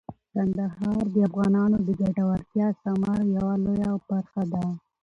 کندهار د افغانانو د ګټورتیا او ثمر یوه لویه برخه ده.